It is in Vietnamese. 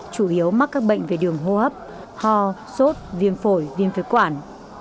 chủ yếu mắc các bệnh về đường hô hấp ho sốt viêm phổi viêm phế quản